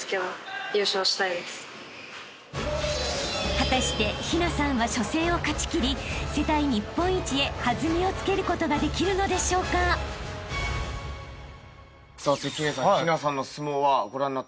［果たして陽奈さんは初戦を勝ちきり世代日本一へ弾みをつけることができるのでしょうか？］関根さん陽奈さんの相撲はご覧になっていかがでした？